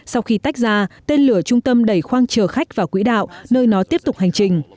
sau khi tách ra tên lửa trung tâm đẩy khoang chờ khách vào quỹ đạo nơi nó tiếp tục hành trình